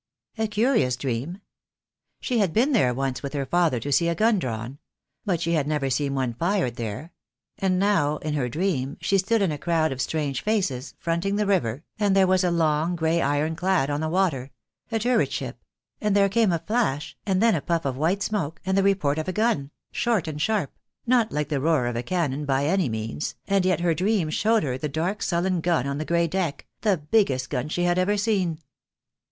A curious dream! She had been there once with her father to see a gun drawn — but she had never seen one fired there — and now in her dream she stood in a crowd of strange faces, fronting the river, and there was a long grey iron clad on the water — a turret ship — and there came a flash, and then a puff of white smoke, and the report of a gun, short and sharp, not like the roar of a cannon by any means, and yet her dream showed her the dark sullen gun on the grey deck, the biggest gun she had ever seen.